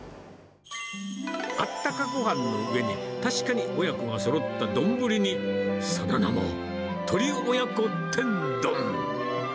あったかごはんの上に、確かに親子がそろった丼に、その名も、鳥親子天丼。